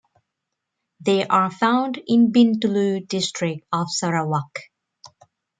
They are found in Bintulu district of Sarawak.